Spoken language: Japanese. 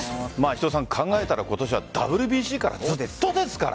考えたら今年はＷＢＣからずっとですから。